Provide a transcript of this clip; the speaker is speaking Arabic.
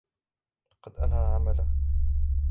لقد أنهى عمله.